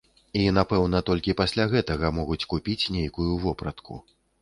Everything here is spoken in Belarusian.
І, напэўна, толькі пасля гэтага могуць купіць нейкую вопратку.